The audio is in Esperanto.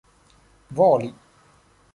voli